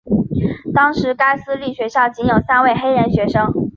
当时该私立学校仅有三位黑人学生。